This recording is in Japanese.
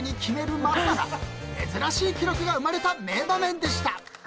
［珍しい記録が生まれた名場面でした］